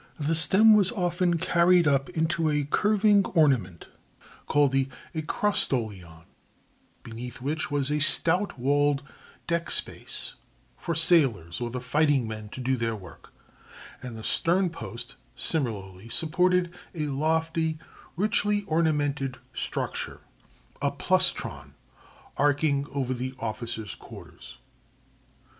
] The stem was often carried up into a curving ornament called the acrostolion, beneath which was a stout walled deck space for sailors or the fighting men to do their work; and the stern post similarly supported a lofty, richly ornamented structure (aplustron), arching over the officers' quarters.